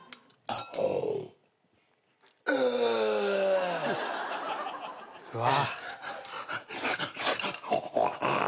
ああ。